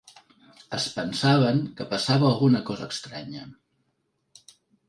Es pensaven que passava alguna cosa estranya.